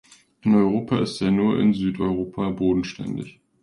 In Europa ist er nur in Südeuropa bodenständig.